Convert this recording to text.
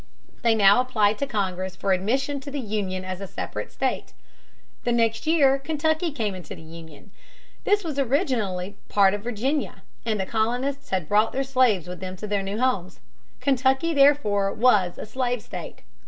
They now applied to Congress for admission to the Union as a separate state. The next year Kentucky came into the Union. This was originally a part of Virginia, and the colonists had brought their slaves with them to their new homes. Kentucky, therefore, was a slave state.